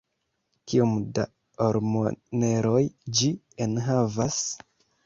kiom da ormoneroj ĝi enhavas?